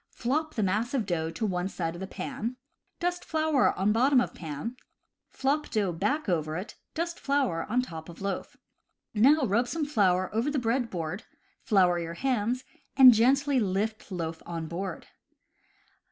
Flop the mass of dough to one side of pan, dust flour on bottom of pan, flop dough back over it, dust flour on top of loaf. Now rub some flour over the bread board, flour your hands, and gently lift loaf on board.